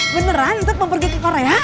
beneran tetap mau pergi ke korea